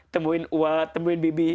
temuin ua temuin bibi